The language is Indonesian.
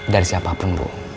dari siapapun bu